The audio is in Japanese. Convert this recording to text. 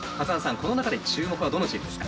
この中で注目はどのチームですか？